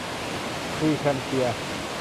พรีแคลมป์เชีย